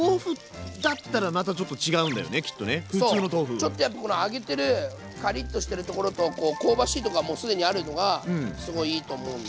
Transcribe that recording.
ちょっとやっぱこの揚げてるカリッとしてるところと香ばしいとこはもう既にあるのがすごいいいと思うんで。